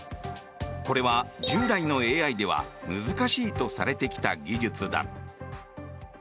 これは従来のＡＩでは難しいとされてきた技術だ。